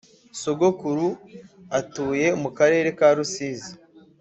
Sogokuru atuye mukarere ka rusizi